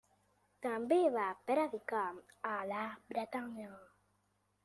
També va predicar a la Bretanya.